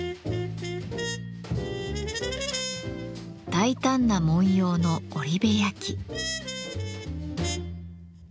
大胆な文様の織部焼。